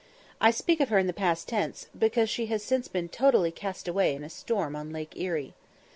I speak of her in the past tense, because she has since been totally cast away in a storm on Lake Erie.